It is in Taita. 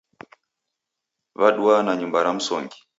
Waduwa na nyumba ra msongi.